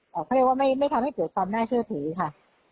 เขาเรียกว่าไม่ทำให้เกิดความน่าเชื่อถือค่ะ